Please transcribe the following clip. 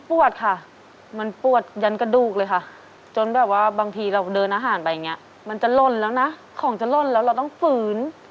ค่ะมันปวดยันกระดูกเลยค่ะจนแบบว่าบางทีเราเดินอาหารไปอย่างนี้มันจะหล่นแล้วนะของจะหล่นแล้วเราต้องฝืน